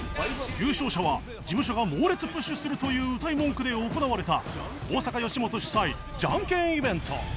優勝者は事務所が猛烈プッシュするといううたい文句で行われた大阪吉本主催ジャンケンイベント